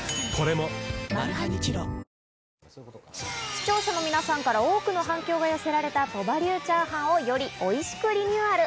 視聴者の皆さんから多くの反響が寄せられた鳥羽流チャーハンをよりおいしくリニューアル。